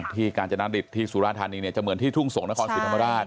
ที่การจัดน้ำดิบที่สุรรัฐธานีย์เนี่ยจะเหมือนที่ทุ่งส่งนครสิทธิ์ธรรมดาช